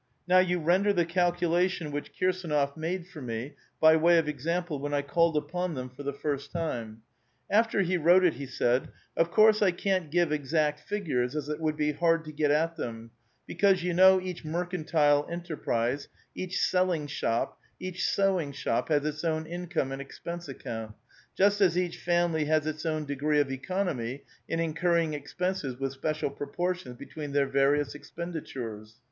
Now you render the calculation which Kirs^nof made for me by way of example, when I called upon them for the first time. After he wrote it, he said :—" Of course I can't give exact figures, as it would be hard to get at them, because j'ou know each mercantile enterprise, each selling shop, each sewing shop, has its own income and expense account, just as each family has its own degree of economy in incurring expenses with special proportions between their various expenditures.